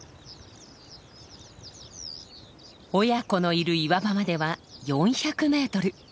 親子のいる岩場までは４００メートル。